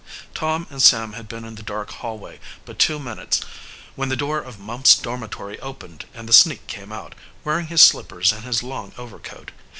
Tom and Sam had been in the dark hallway but two minutes when the door of Mumps' dormitory opened and the sneak came out, wearing his slippers and his long overcoat.